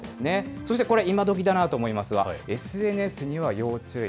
そしてこれ、今どきだなと思いますが、ＳＮＳには要注意。